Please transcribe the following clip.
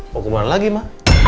mau kemana lagi ma